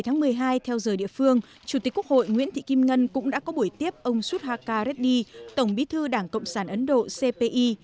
ngày một mươi một mươi hai theo giờ địa phương chủ tịch quốc hội nguyễn thị kim ngân cũng đã có buổi tiếp ông sudhakar reddy tổng bí thư đảng cộng sản ấn độ cpi